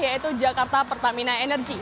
yaitu jakarta pertamina energy